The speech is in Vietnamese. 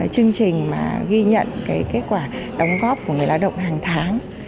chương trình mà ghi nhận kết quả đóng góp của người lao động hàng tháng